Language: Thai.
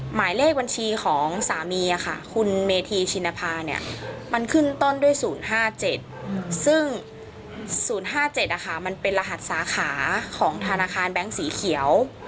หมายเลขบัญชีของสามีอะค่ะคุณเมธีชินภาเนี้ยมันขึ้นต้นด้วยศูนย์ห้าเจ็ดซึ่งศูนย์ห้าเจ็ดอะค่ะมันเป็นรหัสสาขาของธนาคารแบงก์สีเขียว